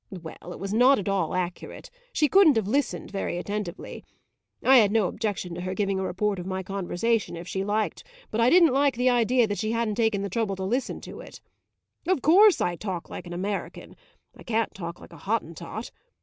Well, it was not at all accurate; she couldn't have listened very attentively. I had no objection to her giving a report of my conversation, if she liked but I didn't like the idea that she hadn't taken the trouble to listen to it. Of course I talk like an American I can't talk like a Hottentot.